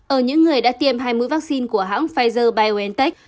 ở những người đã tiêm hai mươi vaccine của hãng pfizer biontech